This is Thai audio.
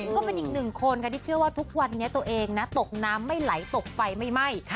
ก็เป็นอีกหนึ่งคนค่ะที่เชื่อว่าทุกวันนี้ตัวเองนะตกน้ำไม่ไหลตกไฟไม่ไหม้